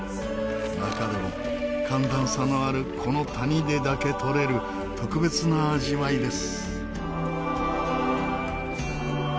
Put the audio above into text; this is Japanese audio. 中でも寒暖差のあるこの谷でだけ採れる特別な味わいです。